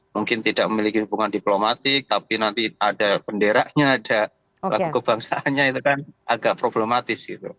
mungkin tidak memiliki hubungan diplomatik tapi nanti ada benderanya ada lagu kebangsaannya itu kan agak problematis gitu